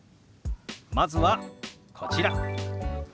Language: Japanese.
まずはこちら。